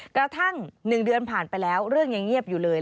กระทั่ง๑เดือนผ่านไปแล้วเรื่องยังเงียบอยู่เลย